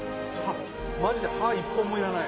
マジで歯１本もいらない。